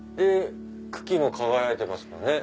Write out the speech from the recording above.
茎も輝いてますね。